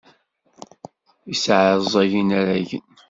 Yesseɛẓeg inaragen.